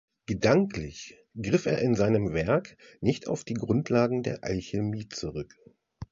Gedanklich griff er in seinem Werk nicht auf die Grundlagen der Alchemie zurück.